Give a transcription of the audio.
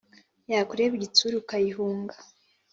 Yakureba igitsure ukayihunga